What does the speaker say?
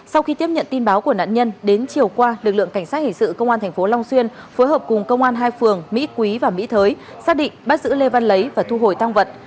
sau khi tiếp nhận tin báo của nạn nhân đến chiều qua lực lượng cảnh sát hình sự công an tp long xuyên phối hợp cùng công an hai phường mỹ quý và mỹ thới xác định bắt giữ lê văn lấy và thu hồi tăng vật